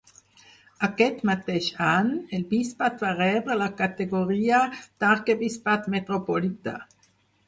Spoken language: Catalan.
Aquest mateix any, el bisbat va rebre la categoria d'arquebisbat metropolità.